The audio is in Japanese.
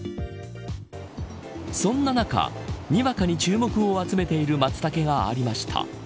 そんな中にわかに注目を集めているマツタケがありました。